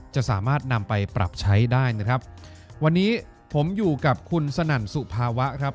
จะสามารถนำไปปรับใช้ได้นะครับวันนี้ผมอยู่กับคุณสนั่นสุภาวะครับ